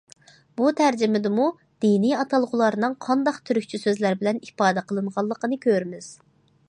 بۇ تەرجىمىدىمۇ دىنىي ئاتالغۇلارنىڭ قانداق تۈركچە سۆزلەر بىلەن ئىپادە قىلىنغانلىقىنى كۆرىمىز.